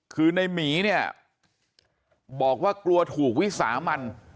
คือในหมีเนี่ยบอกว่ากลัวถูกวิสามัน